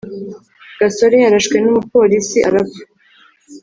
Gasore yarashwe numupolice arapfa